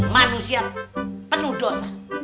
manusia penuh dosa